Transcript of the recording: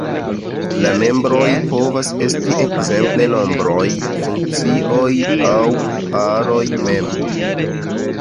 La membroj povas esti ekzemple nombroj, funkcioj, aŭ aroj mem.